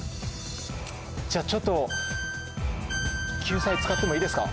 じゃあちょっと救済使ってもいいですか？